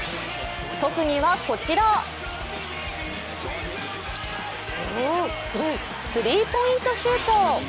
特技はこちらスリーポイントシュート。